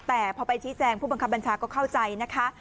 แต่พอไปชี้แจงผู้บังคับบัญชาก็เข้าใจนะคะ